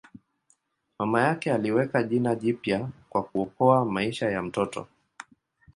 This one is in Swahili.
Mama yake aliweka jina jipya kwa kuokoa maisha ya mtoto.